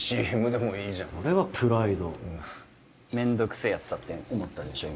ＣＭでもいいじゃんそれはプライドうわめんどくせえやつだって思ったでしょ